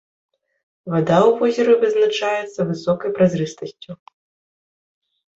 Вада ў возеры вызначаецца высокай празрыстасцю.